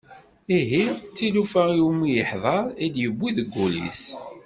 Ihi d tilufa iwumi yeḥḍer i d-yewwi deg wullis-is.